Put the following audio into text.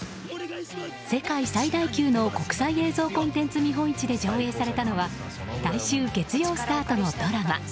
世界最大級の国際映像コンテンツ見本市で上映されたのは来週月曜スタートのドラマ